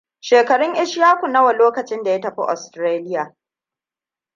Shekarun Ishaku nawa lokacin da ya tafi Austarlia?